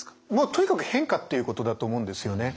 とにかく変化っていうことだと思うんですよね。